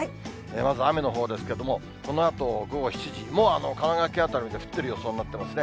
まず雨のほうですけれども、このあと午後７時、もう神奈川県辺り、降ってる予想になっていますね。